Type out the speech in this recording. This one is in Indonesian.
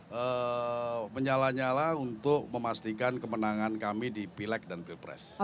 saya menyala nyala untuk memastikan kemenangan kami di pileg dan pilpres